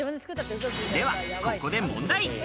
では、ここで問題。